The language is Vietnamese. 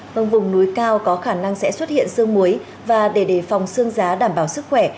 vâng vùng núi cao có khả năng sẽ xuất hiện sương muối và để đề phòng xương giá đảm bảo sức khỏe